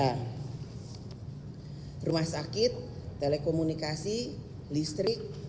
nah rumah sakit telekomunikasi listrik